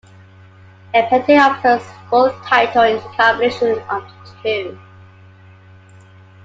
A petty officer's full title is a combination of the two.